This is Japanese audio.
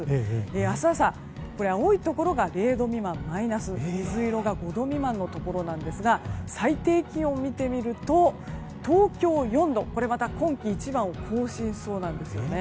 明日朝、青いところが０度未満、マイナス水色が５度未満のところなんですが最低気温を見てみると東京、４度と、これまた今季一番を更新しそうです。